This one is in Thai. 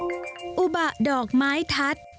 เป็นงานประดิษฐ์อีกรูปแบบที่ถือว่าเป็นงานครัวตอง